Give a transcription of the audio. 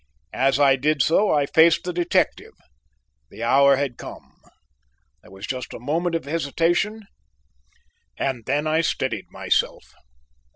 As I did so I faced the detective; the hour had come. There was just a moment of hesitation, and then I steadied myself.